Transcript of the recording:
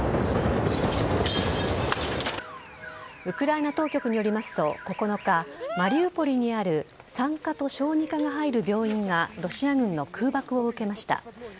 ウクライナ当局によりますと９日、マリウポリにある産科と小児科が入る病院がロシア軍の空爆を受けました。